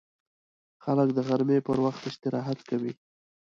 خلک د غرمې پر وخت استراحت کوي